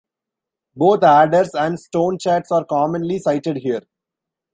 Both adders and stonechats are commonly sighted here.